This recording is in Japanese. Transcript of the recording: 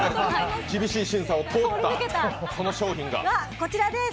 厳しい審査を通った、その商品が。